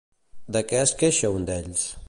De què es queixa un d'ells?